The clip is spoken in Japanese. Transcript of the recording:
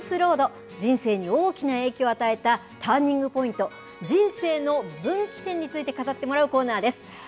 人生に大きな影響を与えたターニングポイント、人生の分岐点について語ってもらうコーナーです。